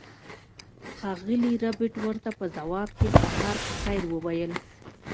ښاغلي ربیټ ورته په ځواب کې سهار په خیر وویل